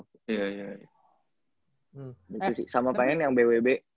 itu sih sama pengen yang bwb